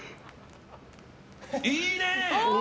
いいね！